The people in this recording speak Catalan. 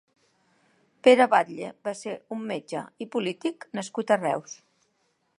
Pere Batlle va ser un metge i polític nascut a Reus.